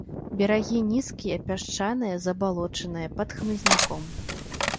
Берагі нізкія, пясчаныя, забалочаныя, пад хмызняком.